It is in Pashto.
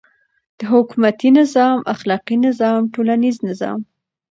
. د حکومتی نظام، اخلاقی نظام، ټولنیز نظام